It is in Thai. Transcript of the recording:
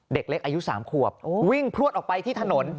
เด็กเล็กอายุ๓ขวบวิ่งพลวดออกไปที่ถนน